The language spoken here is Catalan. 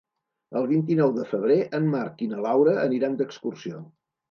El vint-i-nou de febrer en Marc i na Laura aniran d'excursió.